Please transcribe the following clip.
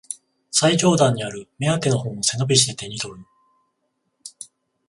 最上段にある目当ての本を背伸びして手にとる